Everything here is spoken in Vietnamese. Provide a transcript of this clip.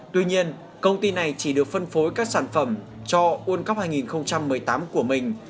tuy nhiên công ty này chỉ được phân phối các sản phẩm cho world cup hai nghìn một mươi tám của mình